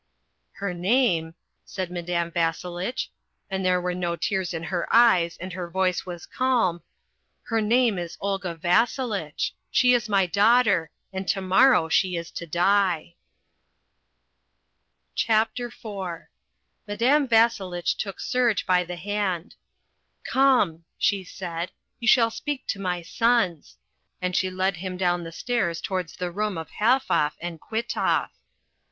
"Her name," said Madame Vasselitch, and there were no tears in her eyes and her voice was calm, "her name is Olga Vasselitch. She is my daughter, and to morrow she is to die." CHAPTER IV Madame Vasselitch took Serge by the hand. "Come," she said, "you shall speak to my sons," and she led him down the stairs towards the room of Halfoff and Kwitoff.